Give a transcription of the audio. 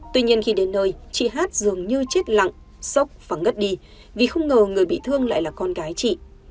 tuy nhiên khi đến nơi chị hát dường như chết lặng sốc và ngất đi vì không ngờ người bị thương lại là con gái chị